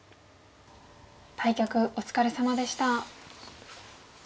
対局お疲れさまでした。